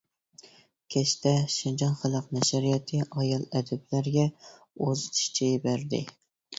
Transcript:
كەچتە، شىنجاڭ خەلق نەشرىياتى ئايال ئەدىبلەرگە ئۇزىتىش چېيى بەردى.